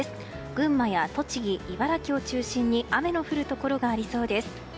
群馬や栃木、茨城を中心に雨の降るところがありそうです。